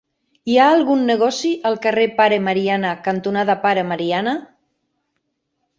Hi ha algun negoci al carrer Pare Mariana cantonada Pare Mariana?